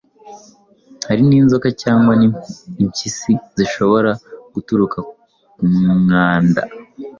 Hari n’inzoka cyangwa impiswi zishobora guturuka ku mwanda